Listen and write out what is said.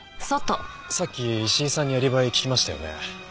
さっき石井さんにアリバイ聞きましたよね？